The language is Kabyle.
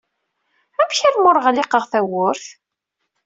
Amek armi ur ɣliqeɣ tawwurt?